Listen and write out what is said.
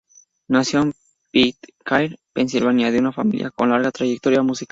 Nació en Pitcairn, Pensilvania, de una familia con larga trayectoria musical.